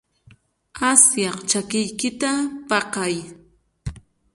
Asyaq chakiyki paqay.